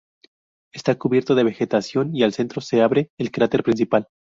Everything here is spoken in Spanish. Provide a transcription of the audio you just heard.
Está cubierto de vegetación y al centro se abre el cráter principal.